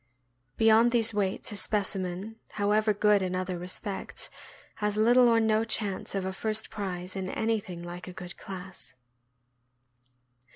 Beyond these weights a specimen, however good in other respects, has little or no chance of a first prize in anything like a good class.